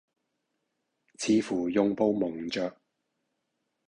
似乎用布蒙着；